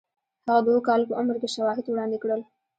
هغه د اوو کالو په عمر کې شواهد وړاندې کړل